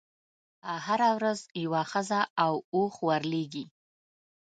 هره ورځ یوه ښځه او اوښ ورلېږي.